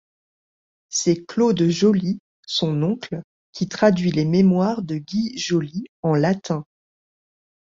C’est Claude Joly, son oncle, qui traduit les mémoires de Guy Joly en latin.